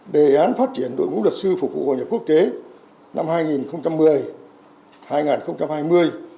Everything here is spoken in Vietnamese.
đề án phát triển đội ngũ luật sư phục vụ hội nhập quốc tế năm hai nghìn một mươi hai nghìn hai mươi